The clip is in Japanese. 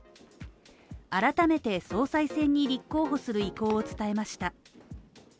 改めて総裁選に立候補する意向を伝えました